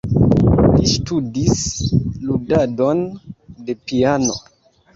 Li ŝtudis ludadon de piano.